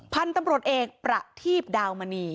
พันธุ์ตำรวจเอกประทีพดาวมณี